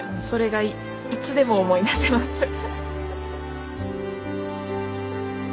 それがいつでも思い出せます。